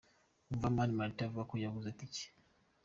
Umva Mani Martin avuga ko yabuze Itike :.